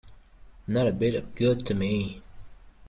Not a bit of good to me.